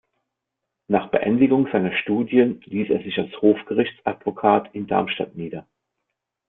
Nach Beendigung seiner Studien ließ er sich als Hofgerichtsadvokat in Darmstadt nieder.